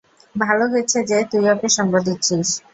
ভালো হয়েছে যে, তুই ওকে সঙ্গ দিচ্ছিস।